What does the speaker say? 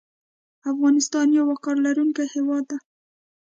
افغانستان یو وقار لرونکی هیواد ده